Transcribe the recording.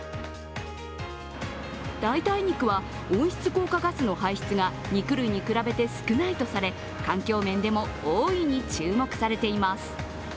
代替肉は温室効果ガスの排出が肉類に比べて少ないとされ環境面でも大いに注目されています。